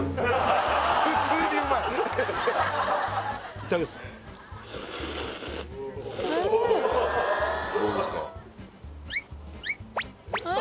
いただきますどうですか？